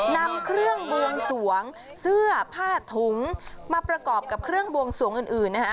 นำเครื่องบวงสวงเสื้อผ้าถุงมาประกอบกับเครื่องบวงสวงอื่นนะฮะ